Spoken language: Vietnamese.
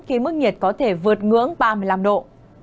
khi mức nhiệt có thể vượt ngưỡng ba mươi năm độ